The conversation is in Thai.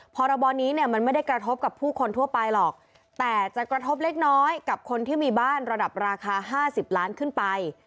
พรบนี้เนี่ยมันไม่ได้กระทบกับผู้คนทั่วไปหรอกแต่จะกระทบเล็กน้อยกับคนที่มีบ้านระดับราคา๕๐ล้านขึ้นไป